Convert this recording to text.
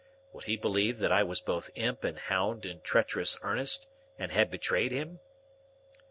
Would he believe that I was both imp and hound in treacherous earnest, and had betrayed him?